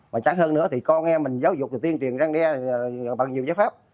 mà chẳng hơn nữa thì con em mình giáo dục thì tuyên truyền răng đe bằng nhiều giới pháp